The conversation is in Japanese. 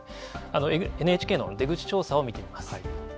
ＮＨＫの出口調査を見てみます。